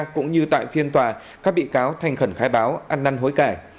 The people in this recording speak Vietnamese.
cũng như tại phiên tòa các bị cáo thành khẩn khai báo ăn năn hối cải